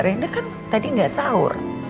rena kan tadi gak sahur